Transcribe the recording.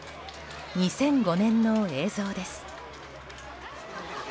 ２００５年の映像です。